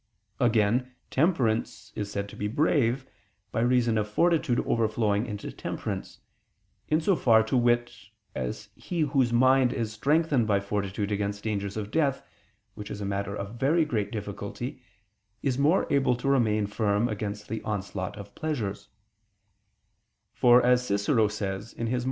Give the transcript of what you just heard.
Again, temperance is said to be brave, by reason of fortitude overflowing into temperance: in so far, to wit, as he whose mind is strengthened by fortitude against dangers of death, which is a matter of very great difficulty, is more able to remain firm against the onslaught of pleasures; for as Cicero says (De Offic.